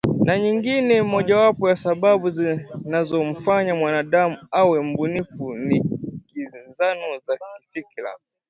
na nyingine? Mojawapo ya sababu zinazomfanya mwanadamu awe mbunifu ni kinzano za kifikra